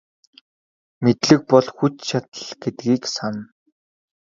Мэдлэг бол хүч чадал гэдгийг сана.